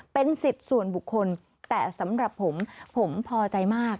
เป็นสิทธิ์ส่วนบุคคลแต่สำหรับผมผมพอใจมาก